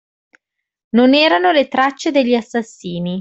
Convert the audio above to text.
Non erano le tracce degli assassini.